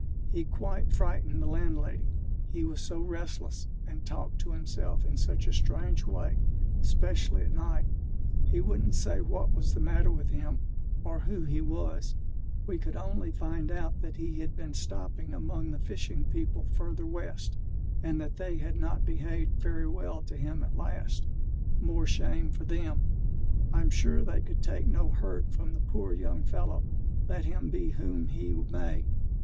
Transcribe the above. He quite frightened the landlady, he was so restless, and talked to himself in such a strange way; specially at night. He wouldn't say what was the matter with him, or who he was: we could only find out that he had been stopping among the fishing people further west: and that they had not behaved very well to him at last more shame for them! I'm sure they could take no hurt from the poor young fellow, let him be whom he may.